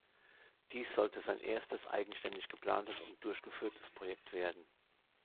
Dies sollte sein erstes eigenständig geplantes und durchgeführtes Projekt werden.